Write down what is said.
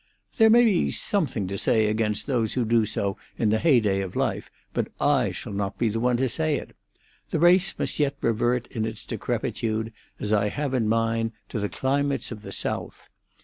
"There may be something to say against those who do so in the heyday of life, but I shall not be the one to say it. The race must yet revert in its decrepitude, as I have in mine, to the climates of the South.